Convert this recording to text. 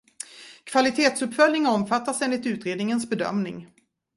Kvalitetsuppföljning omfattas enligt utredningens bedömning.